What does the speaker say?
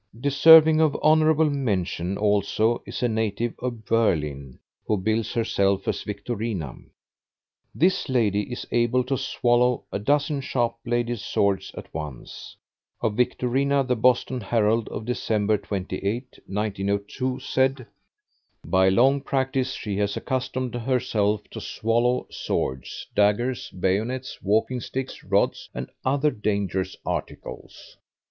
Deserving of honorable mention also is a native of Berlin, who bills herself as Victorina. This lady is able to swallow a dozen sharp bladed swords at once. Of Victorina, the Boston Herald of December 28th, 1902, said: By long practice she has accustomed herself to swallow swords, daggers, bayonets, walking sticks, rods, and other dangerous articles.